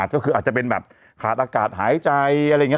ก็คืออาจจะเป็นแบบขาดอากาศหายใจอะไรอย่างนี้